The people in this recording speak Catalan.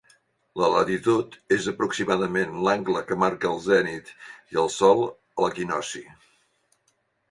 La latitud és aproximadament l'angle que marca el zenit i el sol a l'equinocci.